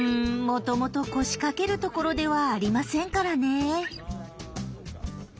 もともと腰かけるところではありませんからね。